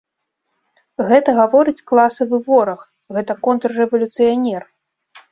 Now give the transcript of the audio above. Гэта гаворыць класавы вораг, гэта контррэвалюцыянер!